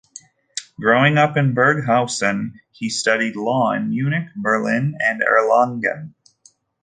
Growing up in Burghausen, he studied law in Munich, Berlin and Erlangen.